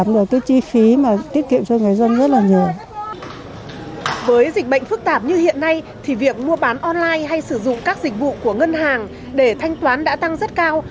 với dịch bệnh phức tạp như hiện nay thì việc mua bán online hay sử dụng các dịch vụ của ngân hàng để thanh toán đã tăng rất cao